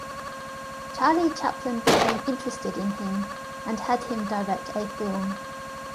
Charlie Chaplin became interested in him, and had him direct a film.